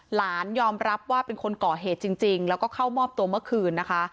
หลานยอมรับว่าเป็นคนก่อเหตุจริงแล้วก็เข้ามอบตัวเมื่อคืนนะคะ